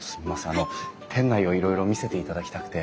あの店内をいろいろ見せていただきたくて。